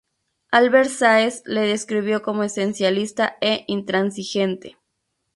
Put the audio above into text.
Albert Sáez le describió como esencialista e intransigente.